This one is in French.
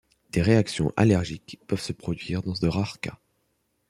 Des réactions allergiques peuvent se produire dans de rares cas.